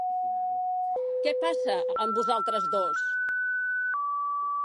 Què passa amb vosaltres dos?